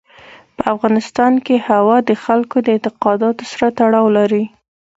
په افغانستان کې هوا د خلکو د اعتقاداتو سره تړاو لري.